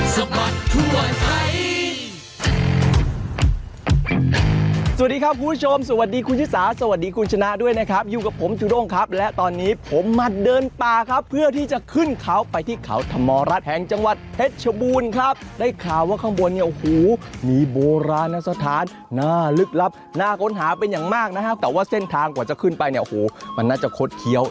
สวัสดีครับคุณผู้ชมสวัสดีคุณชิสาสวัสดีคุณชนะด้วยนะครับอยู่กับผมจูด้งครับและตอนนี้ผมมาเดินป่าครับเพื่อที่จะขึ้นเขาไปที่เขาธรรมรัฐแห่งจังหวัดเพชรชบูรณ์ครับได้ข่าวว่าข้างบนเนี่ยโอ้โหมีโบราณสถานหน้าลึกลับน่าค้นหาเป็นอย่างมากนะครับแต่ว่าเส้นทางกว่าจะขึ้นไปเนี่ยโอ้โหมันน่าจะคดเคี้ยว